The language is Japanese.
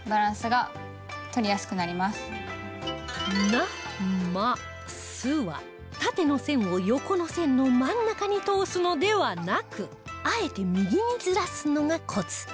「な・ま・す」は縦の線を横の線の真ん中に通すのではなくあえて右にずらすのがコツ